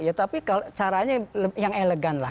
ya tapi caranya yang elegan lah